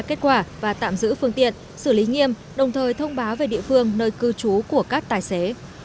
kết quả và tạm giữ phương tiện xử lý nghiêm đồng thời thông báo về địa phương nơi cư trú của các tài xế